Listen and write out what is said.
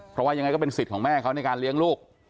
เพราะว่ายังไงก็เป็นสิทธิ์ของแม่เขาในการเลี้ยงลูก